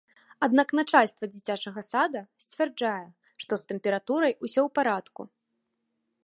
Аднак начальства дзіцячага сада сцвярджае, што з тэмпературай усё ў парадку.